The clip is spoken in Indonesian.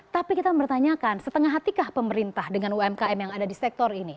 tapi kita mempertanyakan setengah hatikah pemerintah dengan umkm yang ada di sektor ini